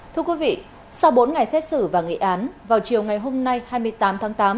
thưa quý vị sau bốn ngày xét xử và nghị án vào chiều ngày hôm nay hai mươi tám tháng tám